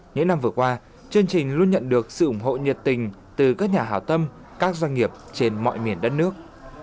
những năm vừa qua chương trình luôn nhận được sự ủng hộ nhiệt tình từ các nhà hào tâm các doanh nghiệp trên mọi miền đất nước